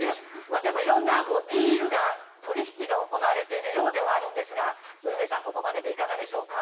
でも、色んな取引が行われているようではあるんですがウルヴェさんここまででいかがでしょうか？